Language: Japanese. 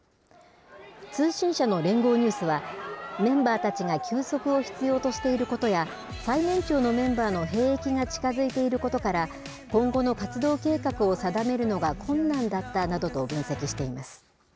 通信社の連合ニュースは、メンバーたちが休息を必要としていることや、最年長のメンバーの兵役が近づいていることから、今後の活動計画を定めるのが困難だったなどと分析しています。